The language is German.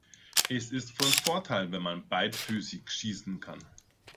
Es ist von Vorteil, wenn man beidfüßig schießen kann.